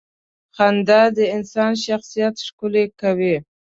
• خندا د انسان شخصیت ښکلې کوي.